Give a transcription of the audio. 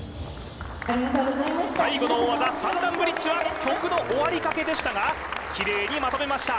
最後の大技三段ブリッジは曲の終わりかけでしたがキレイにまとめました